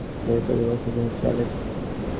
মেয়েটাকে পছন্দ হয়েছে, অ্যালেক্স!